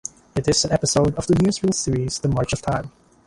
It is an episode of the newsreel series "The March of Time".